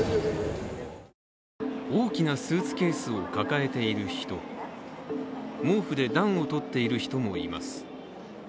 大きなスーツケースを抱えている人、毛布で暖を取っている人もいます。